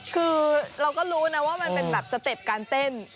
คือเราก็รู้นะว่ามันเป็นแบบสเต็ปการเต้น